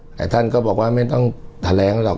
ท่านก็บอกว่าไม่ต้องแถลงหรอก